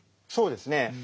そうですね